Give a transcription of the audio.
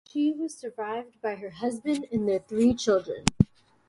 She was survived by her husband and their three children.